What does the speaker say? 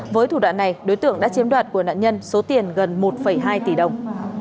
với thủ đoạn này đối tượng đã chiếm đoạt của nạn nhân số tiền gần một hai tỷ đồng